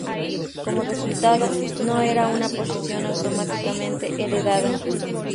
Como resultado, no era una posición automáticamente heredada.